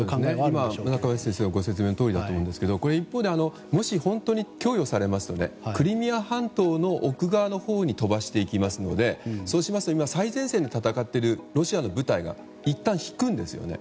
今、中林先生のご説明のとおりだと思いますが一方でもし本当に供与されますとクリミア半島の奥側のほうに飛ばしていきますのでそうしますと最前線で戦っているロシアの部隊がいったん、引くんですよね。